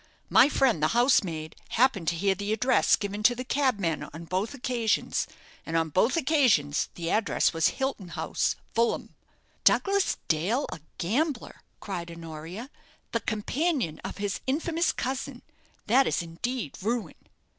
My friend, the housemaid, happened to hear the address given to the cabmen on both occasions; and on both occasions the address was Hilton House, Fulham." "Douglas Dale a gambler!" cried Honoria; "the companion of his infamous cousin! That is indeed ruin."